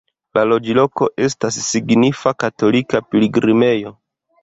La loĝloko estas signifa katolika pilgrimejo.